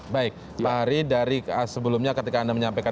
baik pak hari dari sebelumnya ketika anda menyampaikan